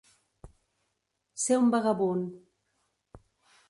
Ser un vagabund.